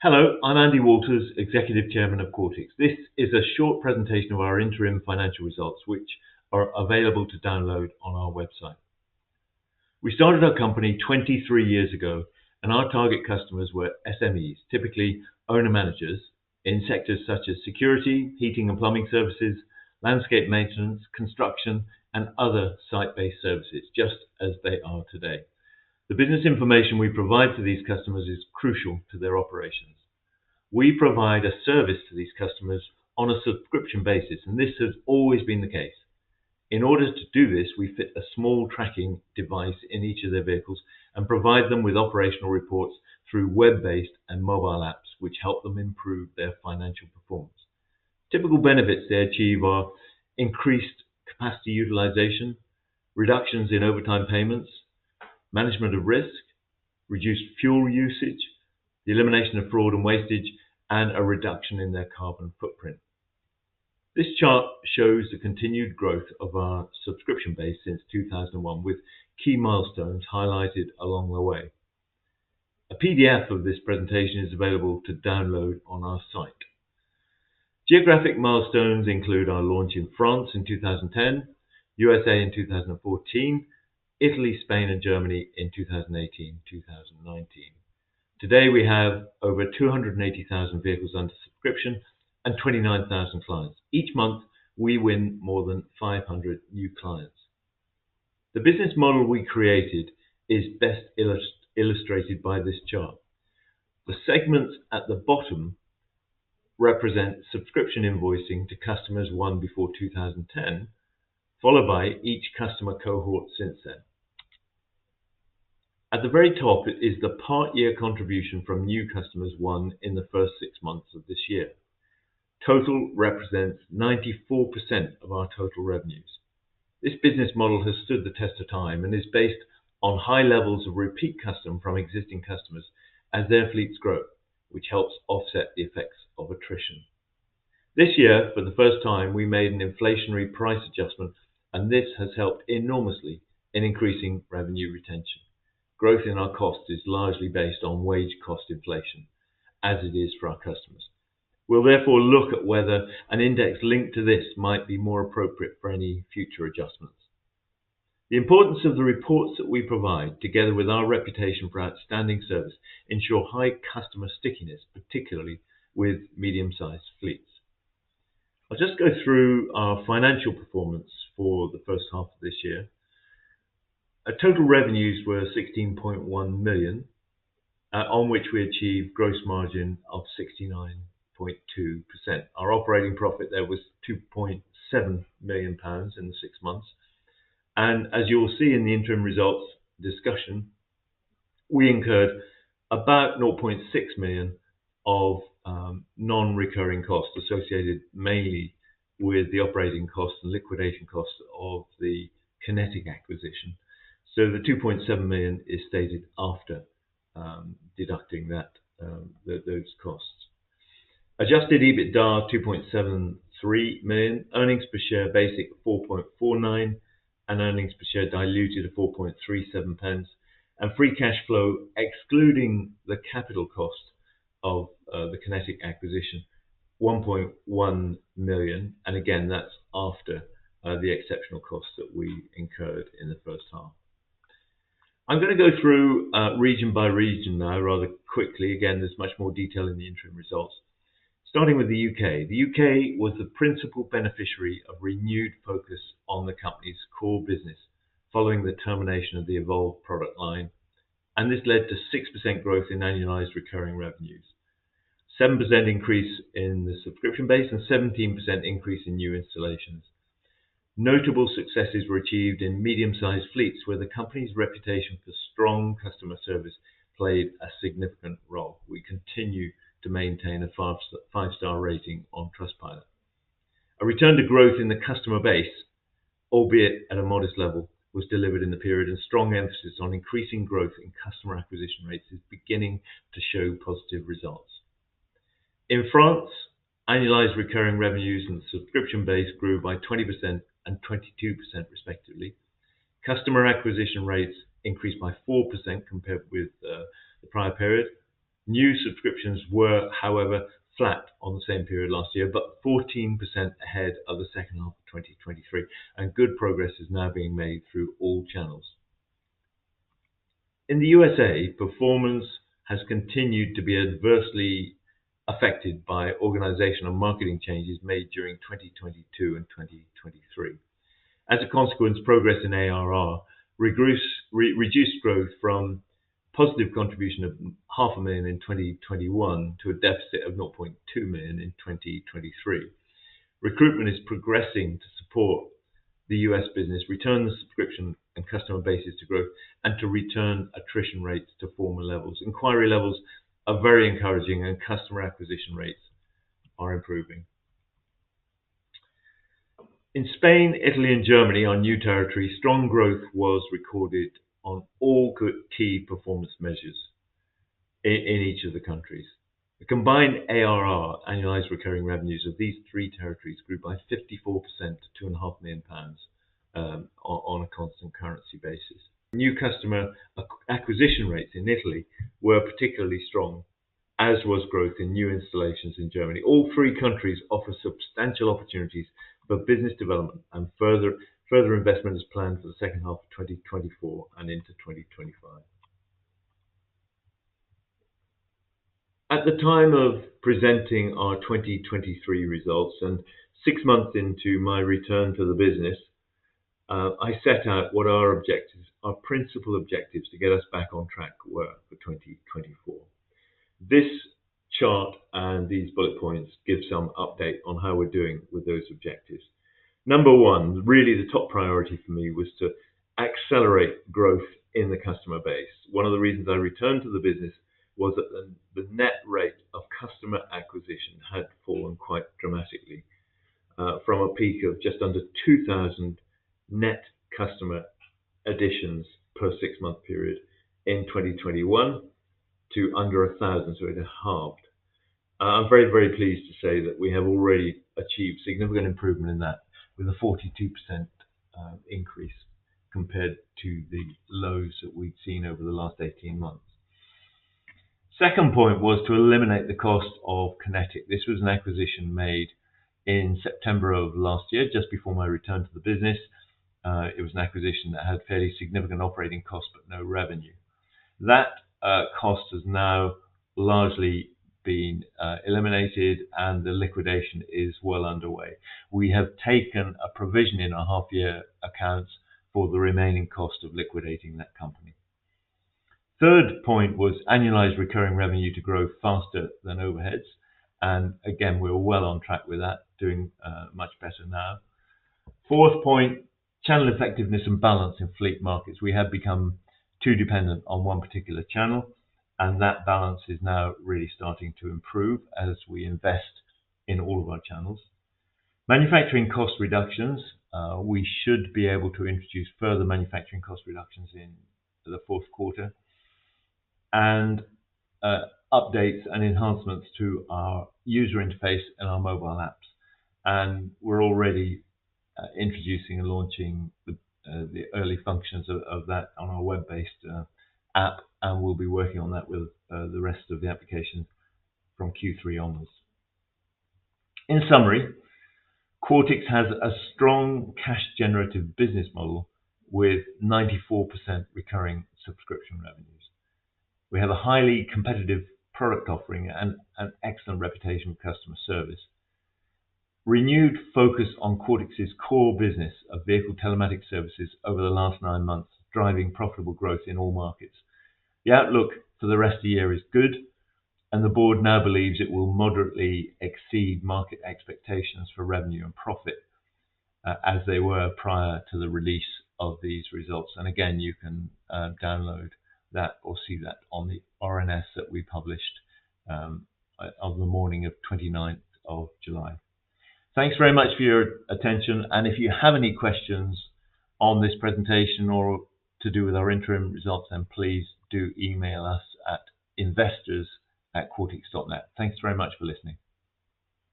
Hello, I'm Andy Walters, Executive Chairman of Quartix. This is a short presentation of our interim financial results, which are available to download on our website. We started our company 23 years ago, and our target customers were SMEs, typically owner-managers, in sectors such as security, heating and plumbing services, landscape maintenance, construction, and other site-based services, just as they are today. The business information we provide to these customers is crucial to their operations. We provide a service to these customers on a subscription basis, and this has always been the case. In order to do this, we fit a small tracking device in each of their vehicles and provide them with operational reports through web-based and mobile apps, which help them improve their financial performance. Typical benefits they achieve are increased capacity utilization, reductions in overtime payments, management of risk, reduced fuel usage, the elimination of fraud and wastage, and a reduction in their carbon footprint. This chart shows the continued growth of our subscription base since 2001, with key milestones highlighted along the way. A PDF of this presentation is available to download on our site. Geographic milestones include our launch in France in 2010, USA in 2014, Italy, Spain, and Germany in 2018-2019. Today, we have over 280,000 vehicles under subscription and 29,000 clients. Each month, we win more than 500 new clients. The business model we created is best illustrated by this chart. The segments at the bottom represent subscription invoicing to customers won before 2010, followed by each customer cohort since then. At the very top is the part-year contribution from new customers won in the first six months of this year. Total represents 94% of our total revenues. This business model has stood the test of time and is based on high levels of repeat custom from existing customers as their fleets grow, which helps offset the effects of attrition. This year, for the first time, we made an inflationary price adjustment, and this has helped enormously in increasing revenue retention. Growth in our cost is largely based on wage cost inflation, as it is for our customers. We'll therefore look at whether an index linked to this might be more appropriate for any future adjustments. The importance of the reports that we provide, together with our reputation for outstanding service, ensures high customer stickiness, particularly with medium-sized fleets. I'll just go through our financial performance for the first half of this year. Our total revenues were 16.1 million, on which we achieved a gross margin of 69.2%. Our operating profit there was 2.7 million pounds in the six months. And as you will see in the interim results discussion, we incurred about 0.6 million of non-recurring costs associated mainly with the operating costs and liquidation costs of the Konetik acquisition. So, the 2.7 million is stated after deducting those costs. Adjusted EBITDA 2.73 million, earnings per share basic 4.49, and earnings per share diluted of 4.37. And free cash flow, excluding the capital cost of the Konetik acquisition, 1.1 million. And again, that's after the exceptional costs that we incurred in the first half. I'm going to go through region by region now, rather quickly. Again, there's much more detail in the interim results. Starting with the UK, the UK was the principal beneficiary of renewed focus on the company's core business following the termination of the Evolve product line. This led to 6% growth in annualized recurring revenues, a 7% increase in the subscription base, and a 17% increase in new installations. Notable successes were achieved in medium-sized fleets, where the company's reputation for strong customer service played a significant role. We continue to maintain a five-star rating on Trustpilot. A return to growth in the customer base, albeit at a modest level, was delivered in the period, and strong emphasis on increasing growth in customer acquisition rates is beginning to show positive results. In France, annualized recurring revenues and subscription base grew by 20% and 22%, respectively. Customer acquisition rates increased by 4% compared with the prior period. New subscriptions were, however, flat on the same period last year, but 14% ahead of the second half of 2023. Good progress is now being made through all channels. In the USA, performance has continued to be adversely affected by organizational marketing changes made during 2022 and 2023. As a consequence, progress in ARR reduced growth from a positive contribution of £0.5 million in 2021 to a deficit of £0.2 million in 2023. Recruitment is progressing to support the U.S. business, return the subscription and customer bases to growth, and to return attrition rates to former levels. Inquiry levels are very encouraging, and customer acquisition rates are improving. In Spain, Italy, and Germany, our new territory, strong growth was recorded on all key performance measures in each of the countries. The combined ARR, annualized recurring revenues of these three territories, grew by 54% to 2.5 million pounds on a constant currency basis. New customer acquisition rates in Italy were particularly strong, as was growth in new installations in Germany. All three countries offer substantial opportunities for business development, and further investment is planned for the second half of 2024 and into 2025. At the time of presenting our 2023 results and six months into my return to the business, I set out what our objectives, our principal objectives, to get us back on track were for 2024. This chart and these bullet points give some update on how we're doing with those objectives. Number one, really the top priority for me was to accelerate growth in the customer base. One of the reasons I returned to the business was that the net rate of customer acquisition had fallen quite dramatically from a peak of just under 2,000 net customer additions per six-month period in 2021 to under 1,000, so it had halved. I'm very, very pleased to say that we have already achieved significant improvement in that with a 42% increase compared to the lows that we've seen over the last 18 months. Second point was to eliminate the cost of Konetik. This was an acquisition made in September of last year, just before my return to the business. It was an acquisition that had fairly significant operating costs but no revenue. That cost has now largely been eliminated, and the liquidation is well underway. We have taken a provision in our half-year accounts for the remaining cost of liquidating that company. Third point was annualized recurring revenue to grow faster than overheads. And again, we're well on track with that, doing much better now. Fourth point, channel effectiveness and balance in fleet markets. We have become too dependent on one particular channel, and that balance is now really starting to improve as we invest in all of our channels. Manufacturing cost reductions, we should be able to introduce further manufacturing cost reductions in the fourth quarter and updates and enhancements to our user interface and our mobile apps. And we're already introducing and launching the early functions of that on our web-based app, and we'll be working on that with the rest of the applications from Q3 onwards. In summary, Quartix has a strong cash-generative business model with 94% recurring subscription revenues. We have a highly competitive product offering and an excellent reputation for customer service. Renewed focus on Quartix's core business of vehicle telematics services over the last nine months is driving profitable growth in all markets. The outlook for the rest of the year is good, and the board now believes it will moderately exceed market expectations for revenue and profit as they were prior to the release of these results. And again, you can download that or see that on the RNS that we published on the morning of 29th of July. Thanks very much for your attention. And if you have any questions on this presentation or to do with our interim results, then please do email us at investors@quartix.net. Thanks very much for listening.